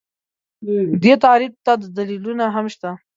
دې تعریف ته دلیلونه هم شته